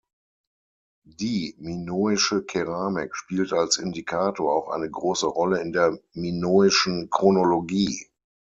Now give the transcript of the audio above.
Die minoische Keramik spielt als Indikator auch eine große Rolle in der minoischen Chronologie.